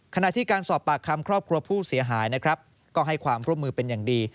ขณะที่การสอบปากคำครอบครัวผู้เสียหายนะครับก็ให้ความร่วมมือเป็นอย่างดี